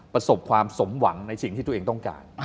ประสบความสมหวังในสิ่งที่ตัวเองต้องการ